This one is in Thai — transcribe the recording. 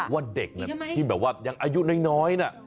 ว่าเด็กที่แบบว่ายังอายุน้อยนะ